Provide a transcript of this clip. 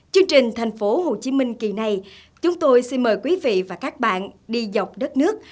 chương trình thành phố hồ chí minh kỳ này chúng tôi xin mời quý vị và các bạn đi dọc đất nước